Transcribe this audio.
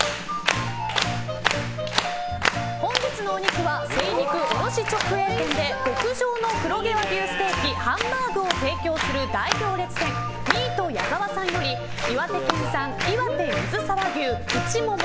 本日のお肉は精肉卸直営店で極上の黒毛和牛ステーキハンバーグを提供する大行列店ミート矢澤さんより岩手県産岩手水沢牛内モモ